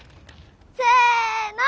せの。